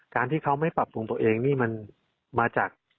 การที่เขาไม่ปรับปรุงตัวเองนี่มันมาจาก